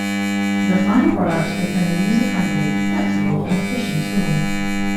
The final product is then a user-friendly, flexible and efficient tool.